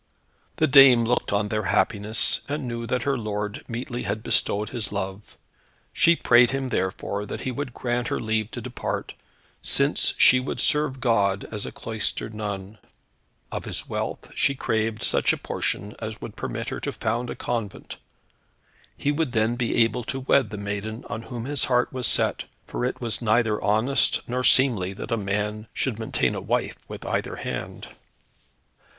The dame looked on their happiness, and knew that her lord meetly had bestowed his love. She prayed him, therefore, that he would grant her leave to depart, since she would serve God as a cloistered nun. Of his wealth she craved such a portion as would permit her to found a convent. He would then be able to wed the maiden on whom his heart was set, for it was neither honest nor seemly that a man should maintain a wife with either hand.